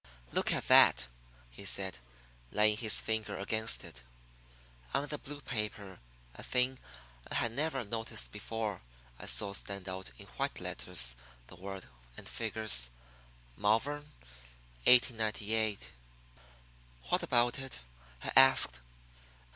"Look at that," he said, laying his finger against it. On the blue paper a thing I had never noticed before I saw stand out in white letters the word and figures: "Malvern, 1898." "What about it?" I asked.